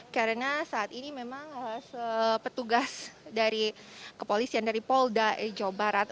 karena saat ini memang petugas dari kepolisian dari polda jawa barat